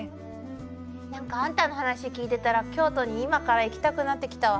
なんかあんたの話聞いてたら京都に今から行きたくなってきたわ。